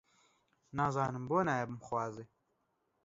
نازانم بۆ نایە بمخوازێ؟